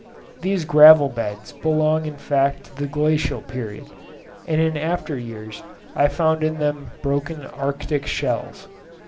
These gravel beds belong in fact to the glacial period, and in after years I found in them broken arctic shells.